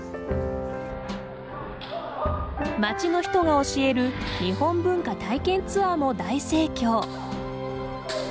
町の人が教える日本文化体験ツアーも大盛況。